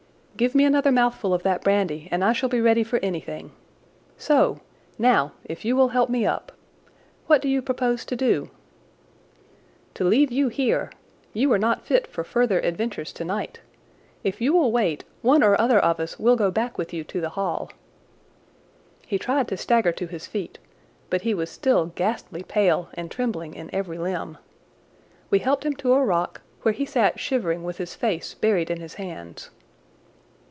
"Give me another mouthful of that brandy and I shall be ready for anything. So! Now, if you will help me up. What do you propose to do?" "To leave you here. You are not fit for further adventures tonight. If you will wait, one or other of us will go back with you to the Hall." He tried to stagger to his feet; but he was still ghastly pale and trembling in every limb. We helped him to a rock, where he sat shivering with his face buried in his hands.